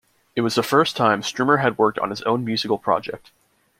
It was the first time Strummer had worked on his own musical project.